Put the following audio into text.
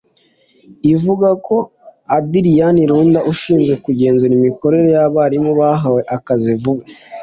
ivuga ko Adrien Lunda ushizwe kugenzura imikorere y’abarimu bahawe akazi vuba